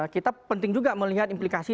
kita penting juga melihat implikasi